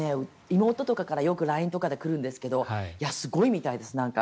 妹とかからよくＬＩＮＥで来るんですけどすごいみたいです、なんか。